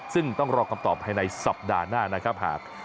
ซึ่งต้องรอคำตอบภายในสัปดาห์หน้านะครับหาก